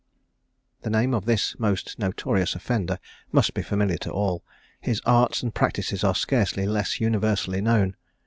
The name of this most notorious offender must be familiar to all; his arts and practices are scarcely less universally known.